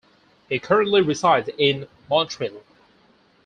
He currently resides in Montreal.